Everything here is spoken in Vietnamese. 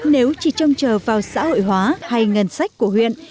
nếu chỉ trông chờ vào xã hội hóa hay ngân sách của huyện